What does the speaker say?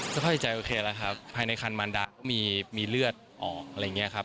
เข้าใจโอเคแล้วครับภายในคันมันดะมีเลือดออกอะไรอย่างนี้ครับ